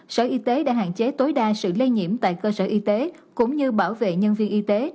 sở y tế đã hạn chế tối đa sự lây nhiễm tại cơ sở y tế cũng như bảo vệ nhân viên y tế